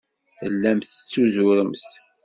Tellamt tettuzuremt.